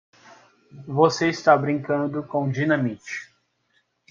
você está brincando com dinamite!